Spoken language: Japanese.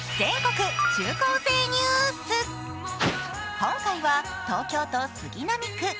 今回は東京都杉並区。